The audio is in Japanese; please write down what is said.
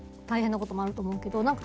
大変なこともあるだろうけど。